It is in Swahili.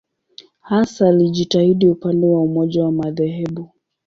Hasa alijitahidi upande wa umoja wa madhehebu.